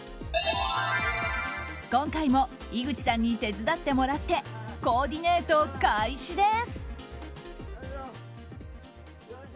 今回も井口さんに手伝ってもらってコーディネート開始です。